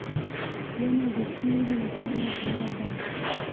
• ونه د سیوری لپاره غوره ده.